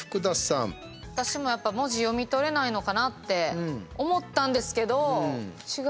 私も文字読み取れないのかなって思ったんですけど。